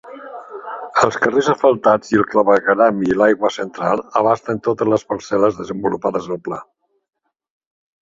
Els carrers asfaltats i el clavegueram i l'aigua central abasten totes les parcel·les desenvolupades al pla.